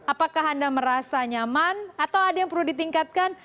apakah anda merasa nyaman atau ada yang perlu ditingkatkan